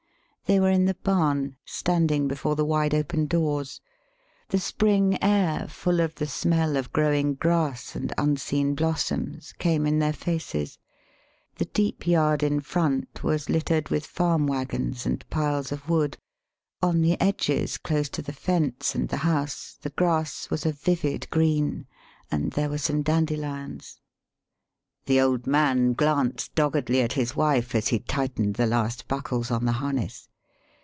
] They were in the barn, standing before the wide open doors. The spring air, full of the smell of growing grass and unseen blossoms, came in their faces. [The deep yard in front was littered with farm wagons and piles of wood; on the edges, close to the fence and the house, the grass was a vivid green, and there were some dandelions.] The old man glanced doggedly at his wife as he tightened the last buckles on the harness.